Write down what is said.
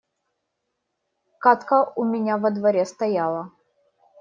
Кадка у меня во дворе стояла